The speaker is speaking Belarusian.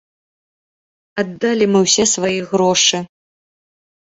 Аддалі мы ўсе свае грошы.